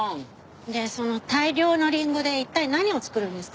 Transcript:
でその大量のリンゴで一体何を作るんですか？